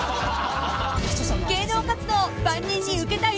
［芸能活動万人に受けたい？